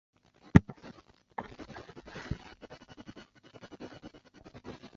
馆内还有关于中世纪和近现代的永久展览。